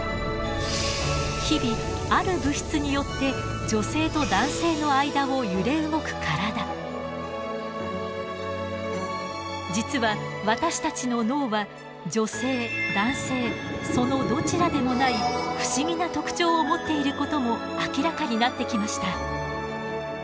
日々ある物質によって実は私たちの脳は女性男性そのどちらでもない不思議な特徴を持っていることも明らかになってきました。